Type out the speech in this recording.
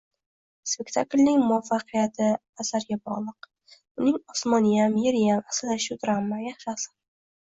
Spektaklning muvaffaqiyati asarga bog‘liq, uning osmoniyam, yeriyam aslida shu drama, yaxshi asar